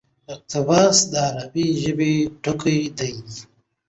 اقتباس: د عربي ژبي ټکى دئ.